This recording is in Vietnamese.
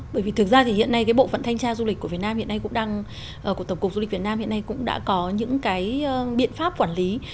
bởi vì thực ra hiện nay bộ phận thanh tra du lịch của tổng cục du lịch việt nam hiện nay cũng đã có những biện pháp quản lý